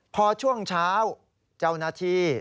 พอช่วงเช้าเจ้าหน้าที่